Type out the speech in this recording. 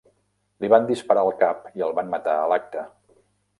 Li van disparar al cap i el van matar a l'acte.